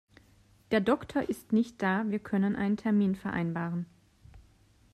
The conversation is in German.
Der Doktor ist nicht da, wir können einen Termin vereinbaren.